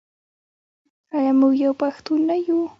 آیا موږ یو پښتون نه یو؟